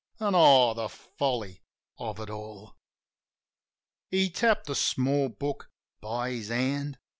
And, oh, the folly of it all !" He tapped the small book by his hand.